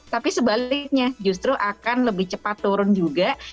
tapi sebaliknya justru akan lebih cepat turun juga